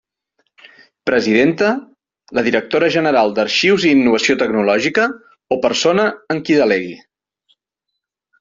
Presidenta: la directora general d'Arxius i Innovació Tecnològica o persona en qui delegue.